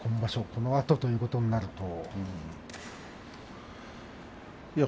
このあとということになると。